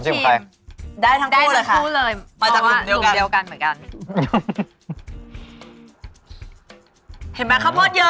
ส่วนใหม่๕เท่ากันครับ